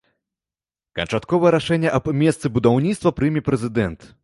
Канчатковае рашэнне аб месцы будаўніцтва прыме прэзідэнт.